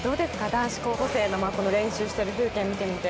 男子候補生の練習してる風景見てみて。